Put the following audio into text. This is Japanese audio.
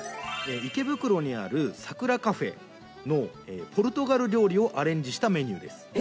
池袋にあるサクラカフェのポルトガル料理をアレンジしたメニューです。